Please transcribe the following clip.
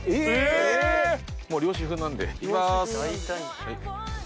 もう漁師風なんで。いきます！